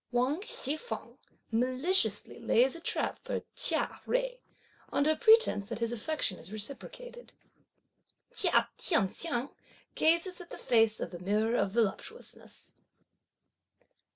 Wang Hsi feng maliciously lays a trap for Chia Jui, under pretence that his affection is reciprocated. Chia T'ien hsiang gazes at the face of the mirror of Voluptuousness.